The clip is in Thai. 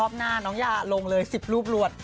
รอบหน้าน้องยาลง๑๐รูปลวด